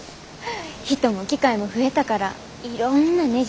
人も機械も増えたからいろんなねじ